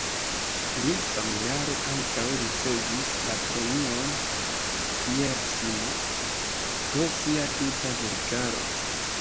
Li samjare ankaŭ ricevis la premion "Pierre Simon" pro sia tuta verkaro.